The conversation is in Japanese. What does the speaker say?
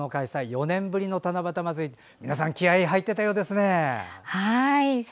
４年ぶりの七夕まつり皆さん、気合いが入っていたようですね。